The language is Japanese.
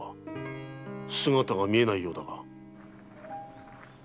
姿が見えないようだが。